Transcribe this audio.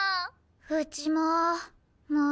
うちも！